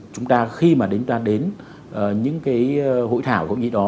chúng ta khi mà đến những cái hội thảo hội nghị đó